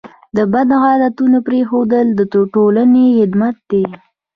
د بد عادتونو پرېښودل د ټولنې خدمت دی.